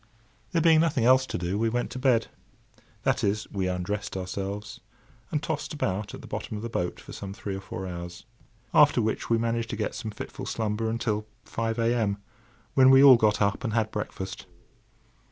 There being nothing else to do, we went to bed—that is, we undressed ourselves, and tossed about at the bottom of the boat for some three or four hours. After which, we managed to get some fitful slumber until five a.m., when we all got up and had breakfast.